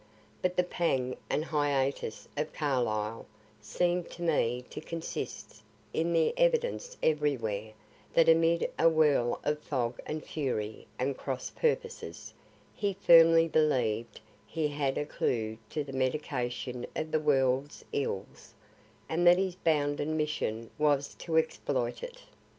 But the pang and hiatus of Carlyle seem to me to consist in the evidence everywhere that amid a whirl of fog and fury and cross purposes, he firmly believ'd he had a clue to the medication of the world's ills, and that his bounden mission was to exploit it.